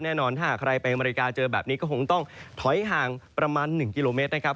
แน่นอนถ้าหากใครไปอเมริกาเจอแบบนี้ก็คงต้องถอยห่างประมาณ๑กิโลเมตรนะครับ